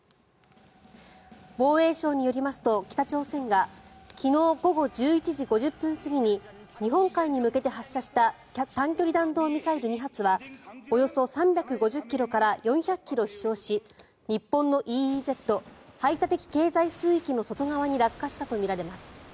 防衛省によりますと北朝鮮が昨日午後１１時５０分過ぎに日本海に向けて発射した短距離弾道ミサイル２発はおよそ３５０ｋｍから４００ｋｍ飛翔し日本のＥＥＺ・排他的経済水域の外側に落下したとみられます。